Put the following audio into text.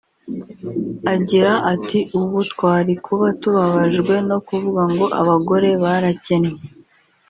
Agira ati “Ubu twari kuba tubabajwe no kuvuga ngo abagore barakennye